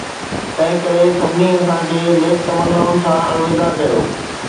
تنهن ڪري سڀني اسان کي نيڪ تمنائن سان الوداع ڪيو.